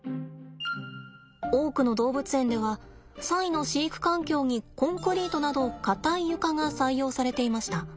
多くの動物園ではサイの飼育環境にコンクリートなど硬い床が採用されていました。